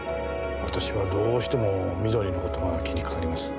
私はどうしても美登里の事が気にかかります。